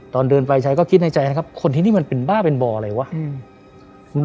ตอนเดินไปใช้ก็คิดในใจนะครับคนที่นี่มันเป็นบ้าเป็นบ่ออะไรวะ